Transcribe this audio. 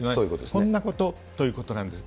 そんなことということなんです。